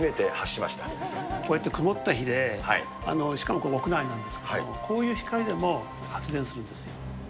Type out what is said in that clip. こうやって曇った日で、しかもここ屋内なんですけど、こういう光でも発電するんですよ。